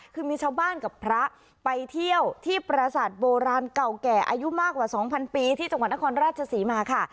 คือมีชาวบ้านกับพระไปเที่ยวที่ประสาทโบราณเก่าแก่อายุมากกว่า๒๐๐ปีที่จังหวัดนครราชศรีมาค่ะ